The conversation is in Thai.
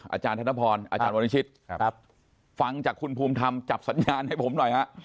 อาจารย์ธนพรอาจารย์วรวิชิตฟังจากคุณภูมิธรรมจับสัญญาณให้ผมหน่อยฮะ